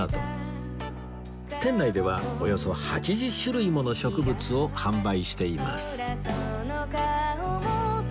店内ではおよそ８０種類もの植物を販売しています